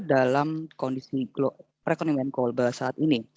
dalam kondisi pre economy and global saat ini